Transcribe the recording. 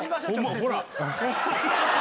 ほら！